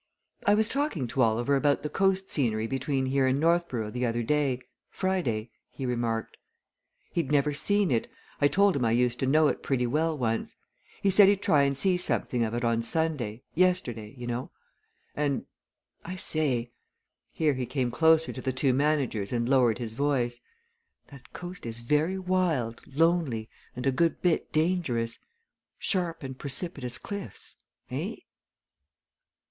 "I was talking to Oliver about the coast scenery between here and Northborough the other day Friday," he remarked. "He'd never seen it I told him I used to know it pretty well once. He said he'd try and see something of it on Sunday yesterday, you know. And, I say " here he came closer to the two managers and lowered his voice "that coast is very wild, lonely, and a good bit dangerous sharp and precipitous cliffs. Eh?"